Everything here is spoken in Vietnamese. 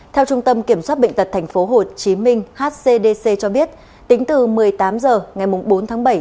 theo trung tâm kiểm soát bệnh tật tp hcm hcdc cho biết tính từ một mươi tám h ngày bốn bảy đến sáu h ngày năm bảy